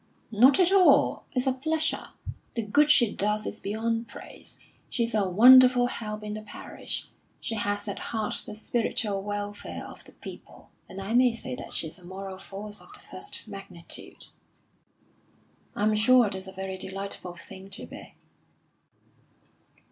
"Not at all! It's a pleasure. The good she does is beyond praise. She's a wonderful help in the parish. She has at heart the spiritual welfare of the people, and I may say that she is a moral force of the first magnitude." "I'm sure that's a very delightful thing to be."